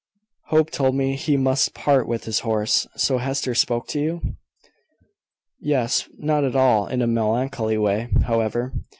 Hope told me he must part with his horse. So Hester spoke to you?" "Yes: not at all in a melancholy way, however.